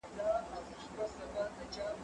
زه سبزیحات جمع کړي دي!؟